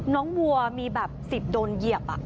น้องมัวมีแบบสิทธิ์โดนเหยียบอะ